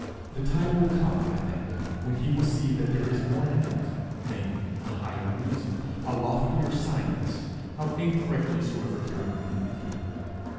The time will come, I think, when he will see that there is more in it, namely, a higher reason, a loftier science, how incorrectly soever herein indicated.